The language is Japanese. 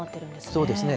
そうですね。